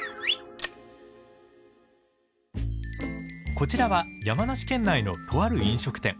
こちらは山梨県内のとある飲食店。